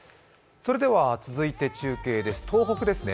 続いて中継です、東北ですね。